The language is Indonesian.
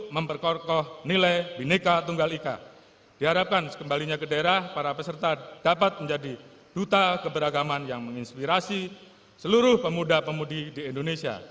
mengucapkan traps serta dapat menjadi duta keberagaman yang menginspirasi seluruh pemuda pemudi di indonesia